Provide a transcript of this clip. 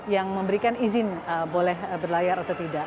yang memberikan izin boleh berlayar atau tidak